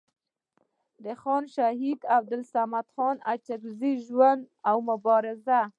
د خان شهید عبدالصمد خان اڅکزي ژوند او مبارزه